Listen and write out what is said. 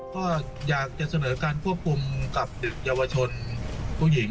ก็อยากจะเสนอการควบคุมกับเด็กเยาวชนผู้หญิง